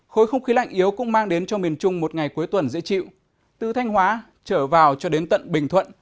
khối không khí lạnh yếu cũng mang đến cho miền trung một ngày cuối tuần dễ chịu từ thanh hóa trở vào cho đến tận bình thuận